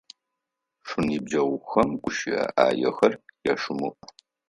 Шъуиныбджэгъухэм гущыӏэ ӏаехэр яшъумыӏу!